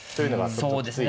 そうですね。